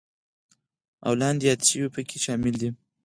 او لاندې یاد شوي پکې شامل دي: